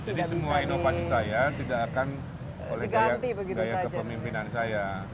semua inovasi saya tidak akan oleh gaya kepemimpinan saya